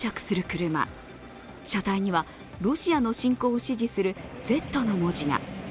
車体には、ロシアの侵攻を支持するＺの文字が。